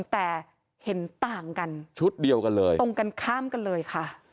แต่เห็นต่างกันชุดเดียวกันเลยตรงกันข้ามกันเลยค่ะ